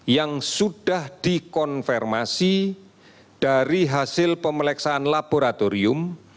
yang sudah dikonfirmasi dari hasil pemeriksaan laboratorium